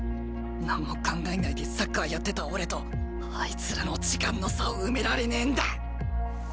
何も考えないでサッカーやってた俺とあいつらの時間の差を埋められねえんだ。